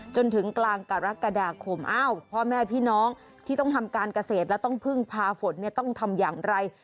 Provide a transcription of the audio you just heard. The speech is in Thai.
จนถึงกลางกรกฎาคมอ้าวพ่อแม่พี่น้องที่ต้องทำการเกษตรและต้องพึ่งพาฝนเนี่ยต้องทำอย่างไร